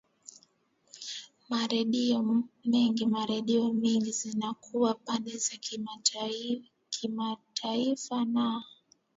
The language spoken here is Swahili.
ma redio mengi ma redio mingi zinakuwa pande za kimataifa naa